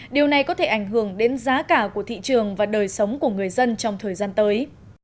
điều này có thể ảnh hưởng đến giá cả của thị trường và đời sống của người dân trong thời gian tới